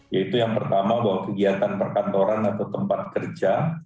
yaitu yang pertama bahwa kegiatan perkantoran atau tempat kerja